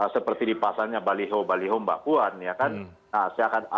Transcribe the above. seperti dipasangnya baliho baliho mbak puan ya kan